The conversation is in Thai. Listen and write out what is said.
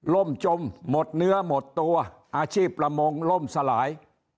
่มจมหมดเนื้อหมดตัวอาชีพประมงล่มสลาย